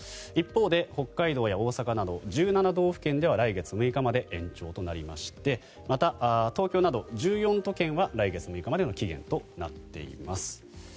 一方で、北海道や大阪など１７道府県では来月６日まで延長となりましてまた、東京など１４都県は来月６日までの期限となっています。